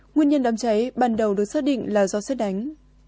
nguyên nhân đám cháy ban đầu được xác định là do xét đánh